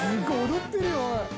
踊ってるよおい！